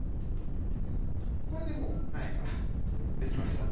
これでもう苗ができました。